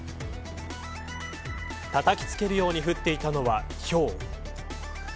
たたき付けるように降っていたのはひょう